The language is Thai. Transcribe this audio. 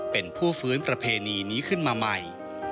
เป็นผู้ฟื้นประเพณีนี้ขึ้นมาใหม่